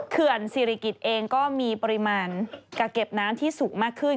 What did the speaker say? เขื่อนศิริกิจเองก็มีปริมาณกักเก็บน้ำที่สูงมากขึ้น